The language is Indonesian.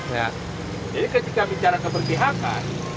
jadi ketika bicara keberpihakan